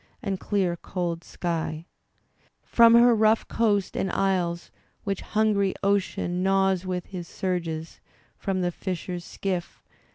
And dear cold sky — From her rough coast, and isles, which hungry Ocean Gnaws with his surges — from the fisher's skiff.